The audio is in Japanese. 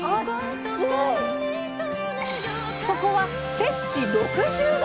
そこは摂氏６０℃！